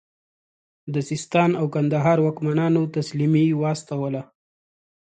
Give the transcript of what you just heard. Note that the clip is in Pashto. د سیستان او کندهار واکمنانو تسلیمي واستوله.